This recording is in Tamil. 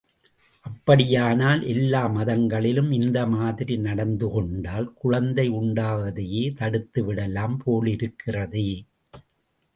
அப்படியானால் எல்லா மாதங்களிலும் இந்த மாதிரி நடந்து கொண்டால் குழந்தை உண்டாவதையே தடுத்து விடலாம் போலிருக்கிறதே.